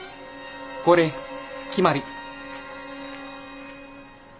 これきまり。